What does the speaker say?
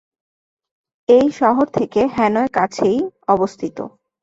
এই শহর থেকে হ্যানয় কাছেই অবস্থিত।